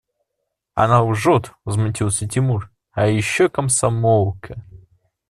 – Она лжет, – возмутился Тимур, – а еще комсомолка!